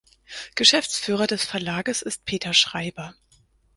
Geschäftsführer des Verlages ist Peter Schreiber.